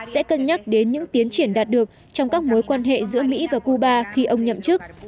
sẽ cân nhắc đến những tiến triển đạt được trong các mối quan hệ giữa mỹ và cuba khi ông nhậm chức